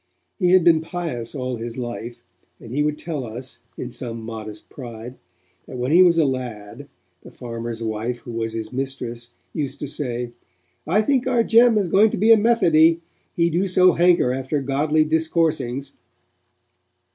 He had been pious all his life, and he would tell us, in some modest pride, that when he was a lad, the farmer's wife who was his mistress used to say, 'I think our Jem is going to be a Methody, he do so hanker after godly discoursings.'